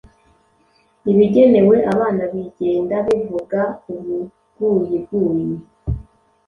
Ibigenewe abana bigenda bivuga ubuguyiguyi.